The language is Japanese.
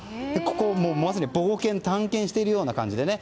もうすでに冒険・探検をしているような感じでね。